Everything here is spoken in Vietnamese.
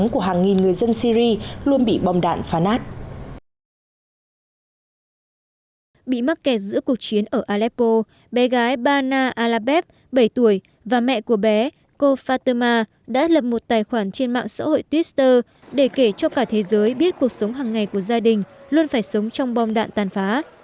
cô fatema đã lập một tài khoản trên mạng xã hội twitter để kể cho cả thế giới biết cuộc sống hằng ngày của gia đình luôn phải sống trong bom đạn tàn phá